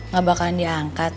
gak bakalan diangkat